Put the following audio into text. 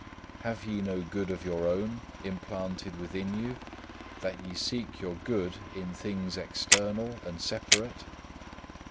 Have ye no good of your own implanted within you, that ye seek your good in things external and separate?